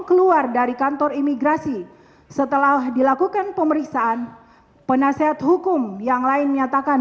keluar dari kantor imigrasi setelah dilakukan pemeriksaan penasihat hukum yang lain menyatakan